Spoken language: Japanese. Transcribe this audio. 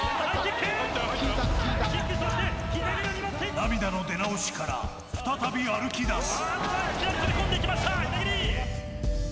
涙の出直しから再び歩き出す。